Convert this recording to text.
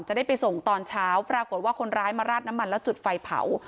จะได้ไปส่งตอนเช้าปรากฏว่าคนร้ายมาราดน้ำมันแล้วจุดไฟเผา